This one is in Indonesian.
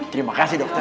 terima kasih dokter